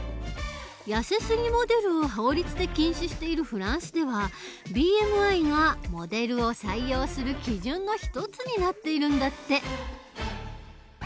やせすぎモデルを法律で禁止しているフランスではＢＭＩがモデルを採用する基準の一つになっているんだって。